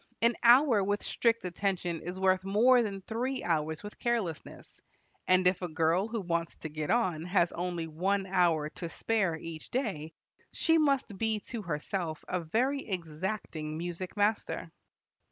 An hour with strict attention is worth more than three hours with carelessness; and if a girl who wants to get on has only one hour to spare each day, she must be to herself a very exacting music master.